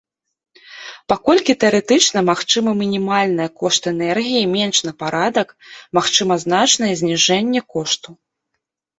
Паколькі тэарэтычна магчымы мінімальная кошт энергіі менш на парадак, магчыма значнае зніжэнне кошту.